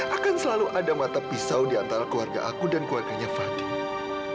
akan selalu ada mata pisau di antara keluarga aku dan keluarganya fadli